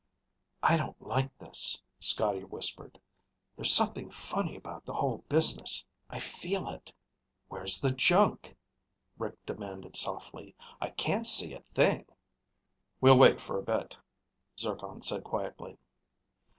"I don't like this," Scotty whispered. "There's something funny about the whole business. I feel it." "Where's the junk?" Rick demanded softly. "I can't see a thing." "We'll wait for a bit," Zircon said quietly.